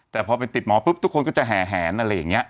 แต่พอไปติดหมอปุ๊บทุกคนก็จะแห่แหนอะไรอย่างนี้